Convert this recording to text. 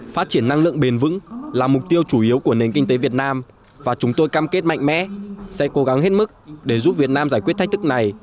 phát triển năng lượng bền vững là mục tiêu chủ yếu của nền kinh tế việt nam và chúng tôi cam kết mạnh mẽ sẽ cố gắng hết mức để giúp việt nam giải quyết thách thức này